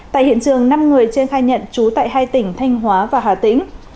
tại hiện trường năm người trên khai nhận trú tại hai tỉnh thanh hóa và hà tĩnh